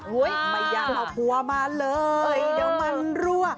ไม่อยากเอาผัวมาเลยเดี๋ยวมันรั่ว